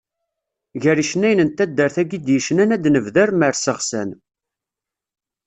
Gar yicennayen n taddart-agi i d-yecnan ad nebder Marseɣsan.